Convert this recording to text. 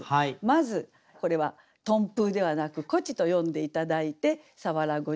まずこれは「とんぷう」ではなく「こち」と読んで頂いて「鰆東風」。